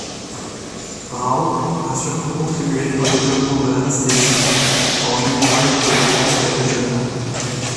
Braun a surtout contribué au développement de l'anesthésie, tant générale que locale et régionale.